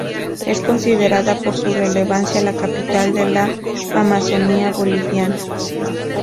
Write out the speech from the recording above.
Es considerada, por su relevancia, la capital de la Amazonía boliviana.